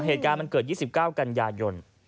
เหตุการณ์มันเกิด๒๙กันยายน